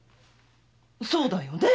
そうだよねェ